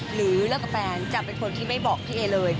หรือเลิกกับแฟนจะเป็นคนที่ไม่บอกพี่เอเลย